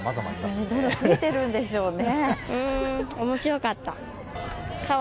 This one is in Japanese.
本当だ、増えてるんでしょうね。